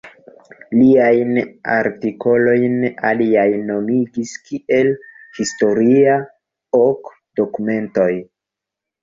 Liajn artikolojn aliaj nomigis kiel Historiaj Ok Dokumentoj.